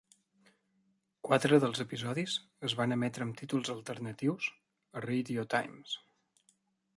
Quatre dels episodis es van emetre amb títols alternatius a "Radio Times".